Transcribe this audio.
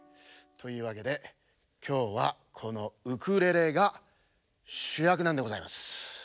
というわけできょうはこのウクレレがしゅやくなんでございます。